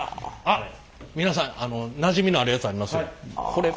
あっ皆さんあのなじみのあるやつありますよ。